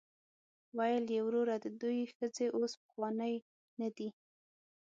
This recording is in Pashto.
ویل یې وروره د دوی ښځې اوس پخوانۍ نه دي.